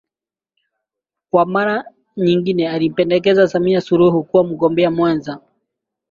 Kwa mara nyingine alimpendekeza Samia Suluhu kuwa mgombea mwenza